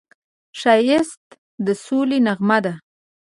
ښایست د سولې نغمه ده